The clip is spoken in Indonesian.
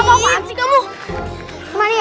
mana sih kesini